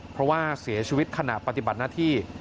เพราะว่าเสียชีวิตขณะปฏิบัติหน้าที่